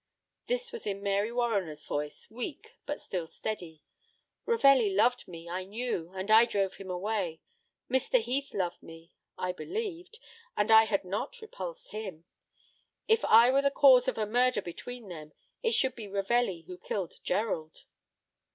This was in Mary Warriner's voice, weak, but still steady. "Ravelli loved me, I knew, and I drove him away. Mr. Heath loved me, I believed, and I had not repulsed him. If I were the cause of a murder between them, it should be Ravelli who killed Gerald."